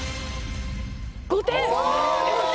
・５点！